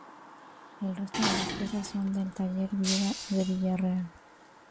El resto de las piezas son del Taller Viuda de Villarreal.